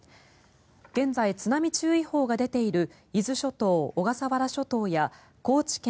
現在、津波注意報が出ている伊豆諸島、小笠原諸島や高知県